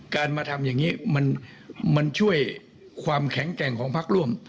การมาทำอย่างนี้มันช่วยความแข็งแกร่งของพักร่วม